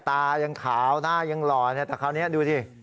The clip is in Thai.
ตายังขาวหน้ายังหล่อเนี่ยแต่คราวนี้ดูสิ